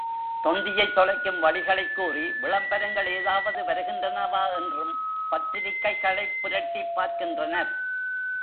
தொந்தியைத் தொலைக்கும் வழிகளைக் கூறி, விளம்பரங்கள் ஏதாவது வருகின்றனவா என்றும் பத்திரிக்கைகளைப் புரட்டிப் பார்க்கின்றனர்.